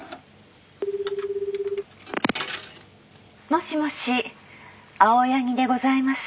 ☎☎もしもし青柳でございます。